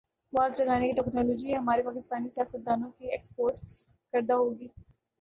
was لگانے کی technology ہمارے پاکستانی سیاستدا نوں کی ایکسپورٹ کردہ ہوگی